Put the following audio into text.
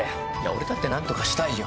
俺だって何とかしたいよ。